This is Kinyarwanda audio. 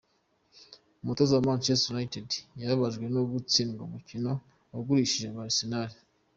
Umutoza wa Manchester United yababajwe no gutsindwa n’umukinnyi bagurishije muri Arsenal.